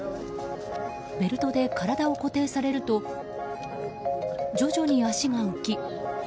ベルトで体を固定されると徐々に足が浮き。